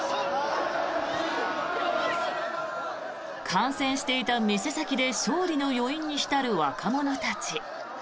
観戦していた店先で勝利の余韻に浸る若者たち。